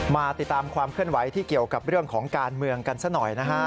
มาติดตามความเคลื่อนไหวที่เกี่ยวกับเรื่องของการเมืองกันซะหน่อยนะฮะ